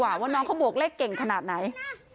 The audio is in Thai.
ว่าน้องเขาบวกเลขเก่งขนาดไหน